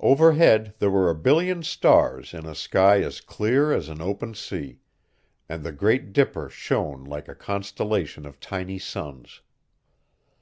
Overhead there were a billion stars in a sky as dear as an open sea, and the Great Dipper shone like a constellation of tiny suns.